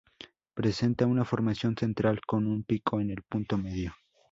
Presenta una formación central con un pico en el punto medio.